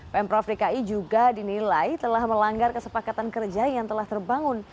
pemprov dki juga dinilai telah melanggar kesepakatan kerja yang telah terbangun